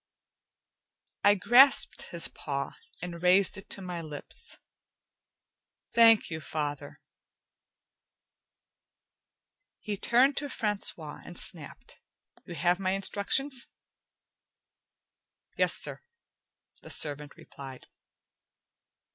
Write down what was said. I grasped his paw and raised it to my lips. "Thank you, father!" He turned to Francois, and snapped: "You have my instructions?" "Yes, sir," the servant replied.